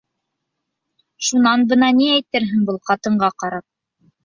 Шунан бына ни әйтерһең был ҡатынға ҡарап?